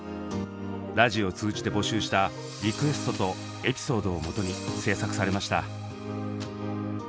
ラジオを通じて募集したリクエストとエピソードをもとに制作されました。